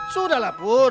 sudah lah pur